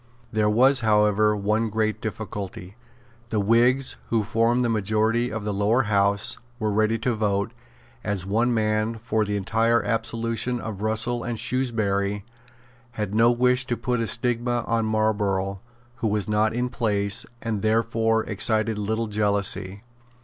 There was, however, one great difficulty. The Whigs, who formed the majority of the Lower House, were ready to vote, as one man, for the entire absolution of Russell and Shrewsbury, and had no wish to put a stigma on Marlborough, who was not in place, and therefore excited little jealousy.